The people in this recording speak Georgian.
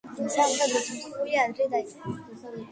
სამხედრო სამსახური ადრე დაიწყო.